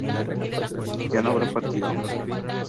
¿yo no habría partido?